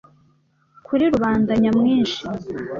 kuri rubanda nyamwinshi